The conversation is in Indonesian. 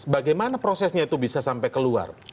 bagaimana prosesnya itu bisa sampai keluar